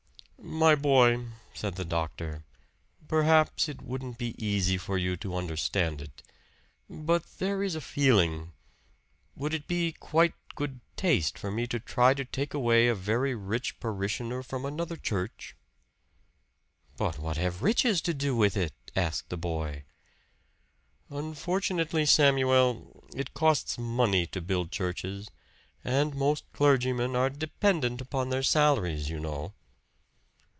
"My boy," said the doctor, "perhaps it wouldn't be easy for you to understand it. But there is a feeling would it be quite good taste for me to try to take away a very rich parishioner from another church?" "But what have his riches to do with it?" asked the boy. "Unfortunately, Samuel, it costs money to build churches; and most clergymen are dependent upon their salaries, you know."